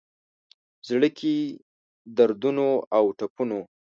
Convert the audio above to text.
زړه کي دردونو اوټپونو،